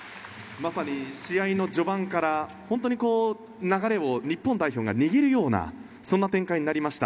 まさに試合の序盤から本当に流れを日本代表が握るようなそんな展開になりました。